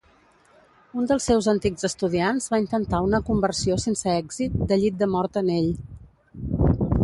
Un dels seus antics estudiants va intentar una conversió sense èxit de llit de mort en ell.